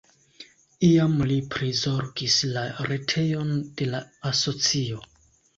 Iam li prizorgis la retejon de la asocio.